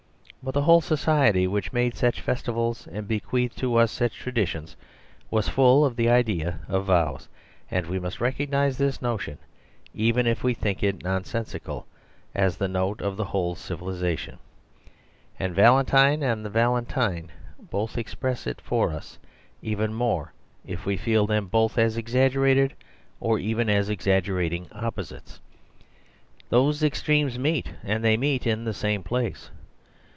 But ithe whole society which made such festivals iand bequeathed to us such traditions was full of the idea of vows; and we must recognise The Story of the Vow 87 this notion, even if we think it nonsensical, as the note of the whole civilisation. And Val entine and the valentine both express it for us; even more if we feel them both as exag gerated, or even as exaggerating opposites. Those extremes meet; and they meet in the same place.